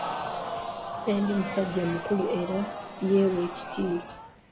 Ssendi musajja mukulu era yeewa ekitiibwa.